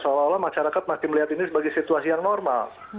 seolah olah masyarakat masih melihat ini sebagai situasi yang normal